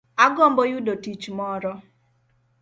Agombo yudo tich moro